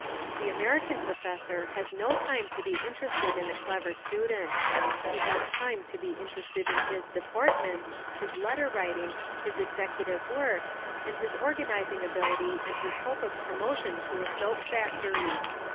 The American professor has no time to be interested in a clever student. He has time to be interested in his "deportment," his letter writing, his executive work, and his organising ability and his hope of promotion to a soap factory.